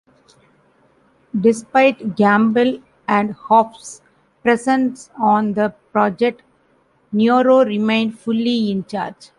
Despite Gamble and Huff's presence on the project, Nyro remained fully in charge.